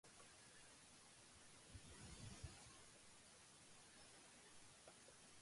The compressed data format usually conforms to a standard video compression specification.